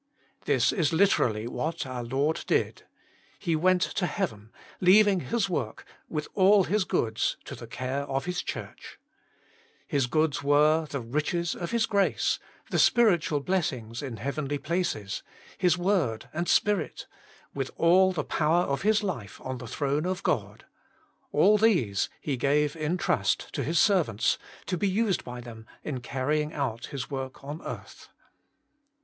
This is literally what our Lord did. He went to heaven, leaving His work with all His goods to the care of His Church. 31 32 Working for God His goods were, the riches of His grace, the spiritual blessings in heavenly places, His word and Spirit, with all the power of His life on the throne of God, — all these He gave in trust to His servants, to be used by them in carrying out His work on earth.